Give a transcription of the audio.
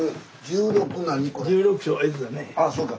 ああそうか。